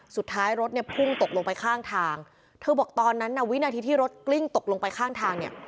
สุดท้ายรถพุ่งตกลงไปข้างทางเธอบอกวินาทีที่รถกลิ้งตกลงไปข้างทาง